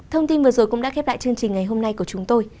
thông tin vừa rồi cũng đã khép lại chương trình ngày hôm nay của chúng tôi